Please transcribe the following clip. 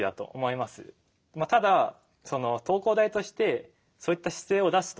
まあただその東工大としてそういった姿勢を出すと。